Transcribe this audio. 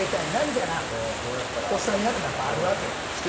おっさんになってもやっぱあるわけよ。